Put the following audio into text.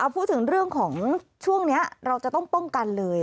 พูดถึงเรื่องของช่วงนี้เราจะต้องป้องกันเลย